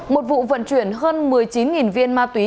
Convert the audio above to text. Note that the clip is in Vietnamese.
một vụ vận chuyển hơn một mươi chín viên ma túy